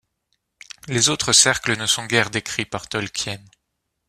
Les autres cercles ne sont guère décrits par Tolkien.